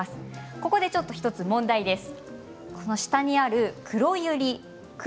ここで１つ問題です。